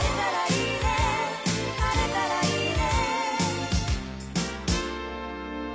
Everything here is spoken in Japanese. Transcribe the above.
「晴れたらいいね」